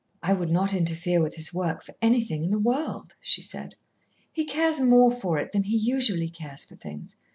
"I would not interfere with his work for anything in the world," she said. "He cares more for it than he usually cares for things.